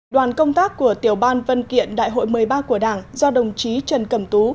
đoàn công tác của tiểu ban vân kiện đại hội một mươi ba của đảng do đồng chí trần cẩm tú